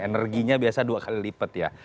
energinya biasa dua kali lipat ya